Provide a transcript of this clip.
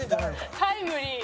「タイムリー」